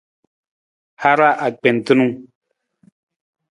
Haraa akpentung.